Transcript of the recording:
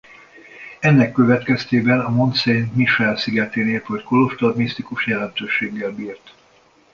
Ennek következtében a Mont-Saint-Michel szigetén épült kolostor misztikus jelentőséggel bírt.